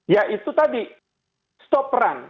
yaitu tadi stop perang